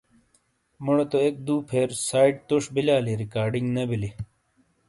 مُوٹے تو ایک دو فیر سائیٹ تُوش بِیلیالی رکاڈنگ نے بیلی۔